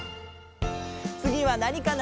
つぎはなにかな？